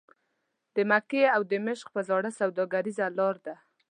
د مکې او دمشق پر زاړه سوداګریزه لاره ده.